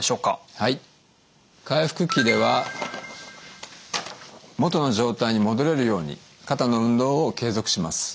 はい回復期では元の状態に戻れるように肩の運動を継続します。